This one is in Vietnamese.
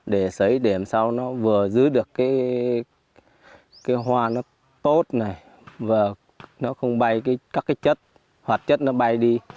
để xấy để làm sao nó vừa giữ được hoa nó tốt và nó không bay chất hoạt chất nó bay đi